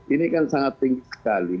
ini kan sangat tinggi sekali